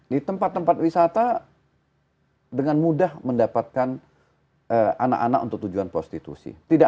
di tempat tempat wisata dengan mudah mendapatkan anak anak untuk tujuan prostitusi